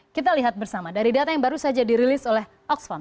kita lihat bersama dari data yang baru saja dirilis oleh oxfam